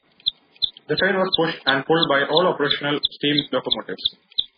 The train was pushed and pulled by all operational steam locomotives.